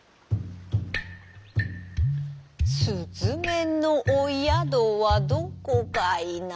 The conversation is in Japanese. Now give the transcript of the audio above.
「すずめのおやどはどこかいな」